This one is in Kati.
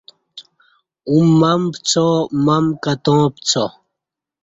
اوں مم پڅا مم کتاں پڅا